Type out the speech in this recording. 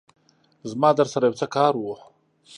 زما درسره يو څه کار وو